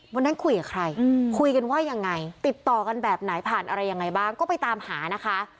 วันนั้นคุยกับใครคุยกันว่ายังไงติดต่อกันแบบไหนผ่านอะไรยังไงบ้างก็ไปตามหานะคะ